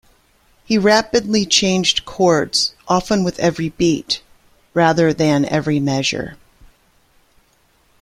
He rapidly changed chords, often with every beat, rather than every measure.